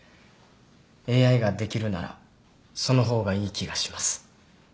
ＡＩができるならその方がいい気がします。